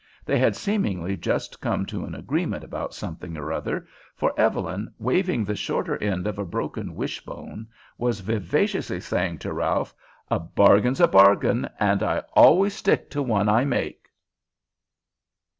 They had seemingly just come to an agreement about something or other, for Evelyn, waving the shorter end of a broken wishbone, was vivaciously saying to Ralph: "A bargain's a bargain, and I always stick to one I make."